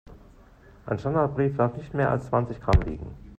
Ein Standardbrief darf nicht mehr als zwanzig Gramm wiegen.